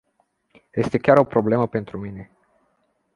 Este chiar o problemă pentru mine.